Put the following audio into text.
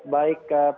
baik pak nusir rai